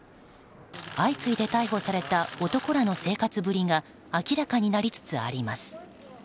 相次いで逮捕された男らの生活ぶりが明らかになりつつあります。